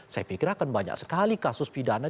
saya pikir akan banyak sekali kasus pidana